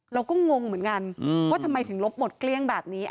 งงเหมือนกันว่าทำไมถึงลบหมดเกลี้ยงแบบนี้